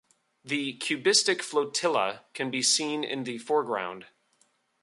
The 'cubistic flotilla' can be seen in the foreground.